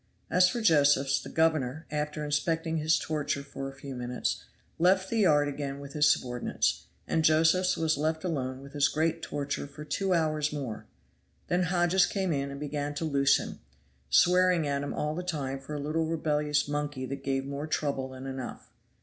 As for Josephs, the governor, after inspecting his torture for a few minutes, left the yard again with his subordinates, and Josephs was left alone with his great torture for two hours more; then Hodges came in and began to loose him, swearing at him all the time for a little rebellious monkey that gave more trouble than enough.